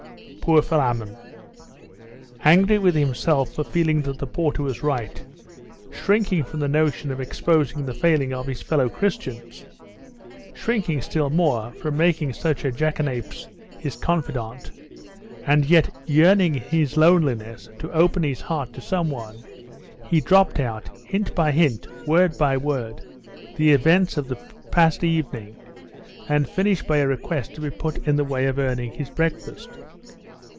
Poor Philammon! Angry with himself for feeling that the porter was right; shrinking from the notion of exposing the failings of his fellow Christians; shrinking still more from making such a jackanapes his confidant: and yet yearning in his loneliness to open his heart to some one, he dropped out, hint by hint, word by word, the events of the past evening, and finished by a request to be put in the way of earning his breakfast.